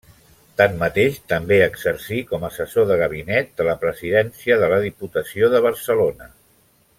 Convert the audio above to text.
Tanmateix també exercí com assessor de Gabinet de la Presidència de la Diputació de Barcelona.